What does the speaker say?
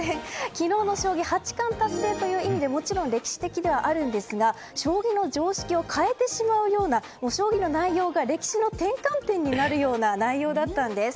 昨日の将棋八冠達成という意味でもちろん歴史的ではあるんですが将棋の常識を変えてしまうような将棋の内容が歴史の転換点になるような内容だったんです。